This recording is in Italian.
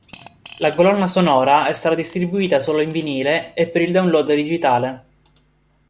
La colonna sonora è stata distribuita solo in vinile e per il download digitale.